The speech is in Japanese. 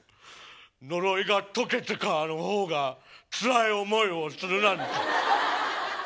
呪いが解けてからの方がつらい思いをするなんて。